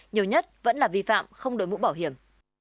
nhiều nhất vẫn là vi phạm không đổi mũ bảo hiểm